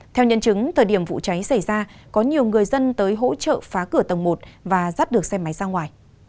theo nhân chứng thời điểm vụ cháy xảy ra có nhiều người dân tới hỗ trợ phá cửa tầng một và dắt được xe máy ra ngoài